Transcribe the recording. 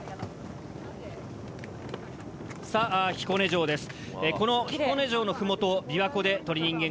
さあ彦根城です。